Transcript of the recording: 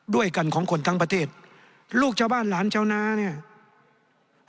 ด้วยกันของคนทั้งประเทศลูกชาวบ้านหลานชาวนาเนี่ย